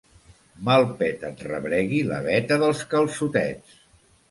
Mal pet et rebregui la beta dels calçotets!